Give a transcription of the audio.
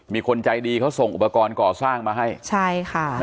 มีคนใจดีเขาส่งอุปกรณ์ก่อสร้างมาให้ใช่ค่ะ